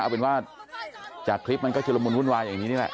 เอาเป็นว่าจากคลิปมันก็ชุดละมุนวุ่นวายอย่างนี้นี่แหละ